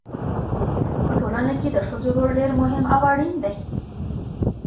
په ټولنه کې د ښځو رول ډېر مهم او اړین دی.